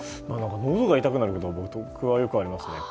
のどが痛くなることは僕はよくありますね。